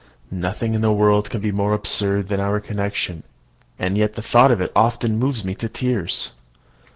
Nothing in the world can be more absurd than our connection, and yet the thought of it often moves me to tears.